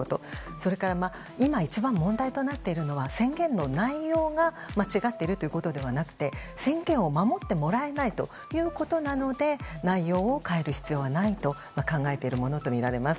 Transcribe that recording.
それから今一番、問題となっているのは宣言の内容が間違っているということではなくて宣言を守ってもらえないということなので内容を変える必要はないと考えているものとみられます。